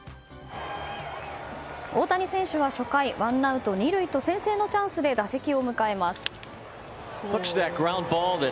大谷選手は初回ワンアウト２塁と先制のチャンスで打席を迎えます。